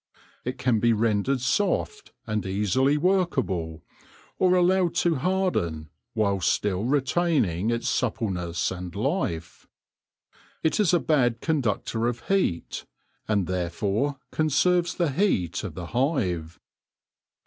It can be rendered soft and easily workable, or allowed to harden, while still retaining its suppleness and life. It is a bad conductor of heat, and therefore conserves the heat of the hive.